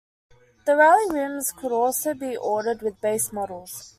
The Rallye rims could also be ordered with base models.